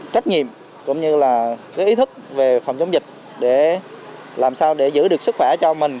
trách nhiệm cũng như ý thức về phòng chống dịch để giữ được sức khỏe cho mình